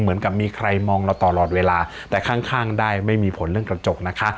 เหมือนกับมีใครมองเราตลอดเวลาแต่ข้างข้างได้ไม่มีผลเรื่องกระจกนะคะ